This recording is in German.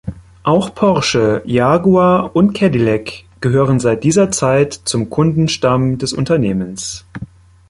Auch Porsche, Jaguar und Cadillac gehören seit dieser Zeit zum Kundenstamm des Unternehmens.